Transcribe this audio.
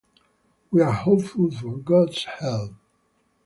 We are hopeful for God's help.